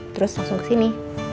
terus langsung kesini